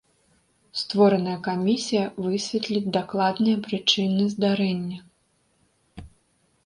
Створаная камісія высветліць дакладныя прычыны здарэння.